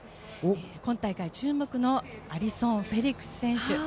今大会注目のアリソン・フェリックス選手。